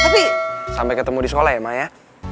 ma mama lagi mau ketemu di sekolah ya ma ya